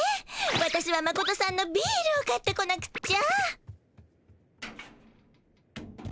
私はマコトさんのビールを買ってこなくっちゃ。